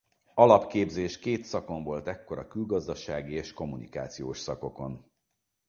Alapképzés két szakon volt ekkor a külgazdasági és kommunikációs szakokon.